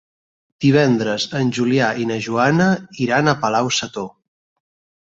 Divendres en Julià i na Joana iran a Palau-sator.